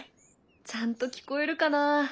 ちゃんと聞こえるかな？